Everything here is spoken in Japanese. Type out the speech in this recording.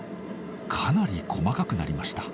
かなり細かくなりました。